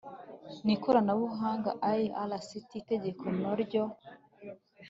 n Ikoranabuhanga IRST Itegeko no ryo